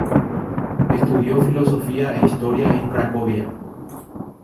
Estudió filosofía e historia en Cracovia.